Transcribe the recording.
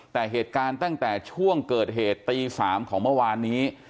แต่เหตุการณ์ตั้งแต่ช่วงเกิดเหตุตี๓ของเมื่อวานนี้